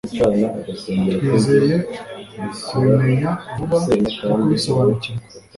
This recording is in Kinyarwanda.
twizeye kubimenya vuba no kubisobanukirwa